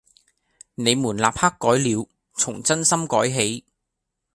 「你們立刻改了，從眞心改起！